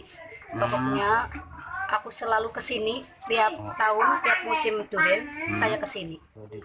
pokoknya aku selalu kesini tiap tahun tiap musim durian saya kesini